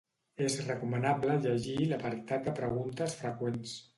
És recomanable llegir l'apartat de preguntes freqüents.